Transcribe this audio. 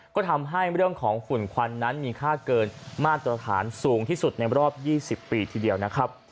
ก็ทำให้เรื่องของฝุ่นควันนั้นมีค่าเกินมาตรฐานสูงที่สุดในรอบ๒๐ปีทีเดียวนะครับ